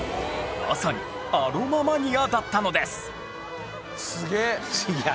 まさにアロママニアだったのです